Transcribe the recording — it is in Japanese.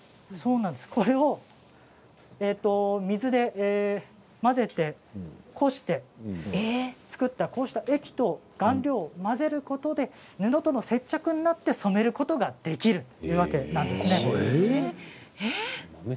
これを水で混ぜてこして作った液と顔料を混ぜることで布との接着になって染めることができるというわけなんです。